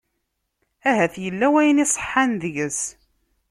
Ahat yella wayen iṣeḥḥan deg-s.